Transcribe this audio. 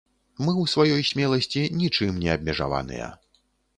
Мы ў сваёй смеласці нічым не абмежаваныя.